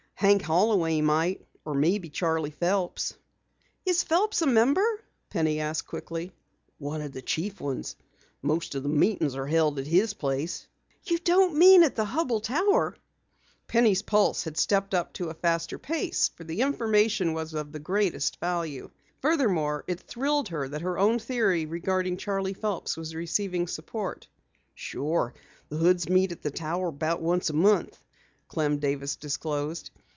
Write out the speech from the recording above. Hank Holloway might, or maybe Charley Phelps." "Is Phelps a member?" Penny asked quickly. "One of the chief ones. Most of the meetings are held at his place." "You don't mean at the Hubell Tower?" Penny's pulse had stepped up to a faster pace, for the information was of the greatest value. Furthermore, it thrilled her that her own theory regarding Charley Phelps was receiving support. "Sure, the Hoods meet at the Tower about once a month," Clem Davis disclosed.